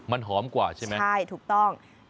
มันหอมกว่าใช่ไหมใช่ถูกต้อง